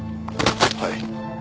はい。